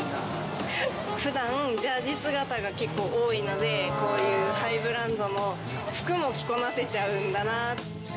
ふだん、ジャージ姿が結構多いので、こういうハイブランドの服も着こなせちゃうんだな。